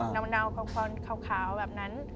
ใช่เงาควันขาวแบบนั้น